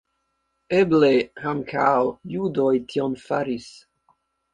Eble ankaŭ judoj tion faris.